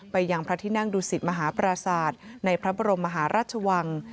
ไปยังพระที่นั่งดูสิตมหาปราศาสตร์ในพระบรมมหาราชวัง